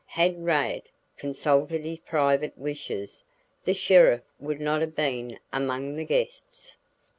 Had Rad consulted his private wishes, the sheriff would not have been among the guests.